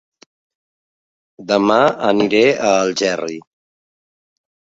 Dema aniré a Algerri